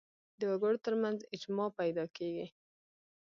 د وګړو تر منځ اجماع پیدا کېږي